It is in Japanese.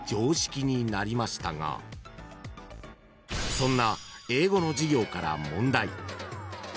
［そんな英語の授業から］